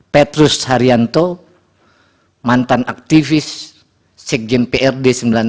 petrus haryanto mantan aktivis sekjen prd sembilan belas